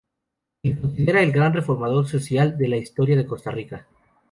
Se le considera el gran reformador social de la historia de Costa Rica.